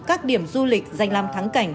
các điểm du lịch dành làm thắng cảnh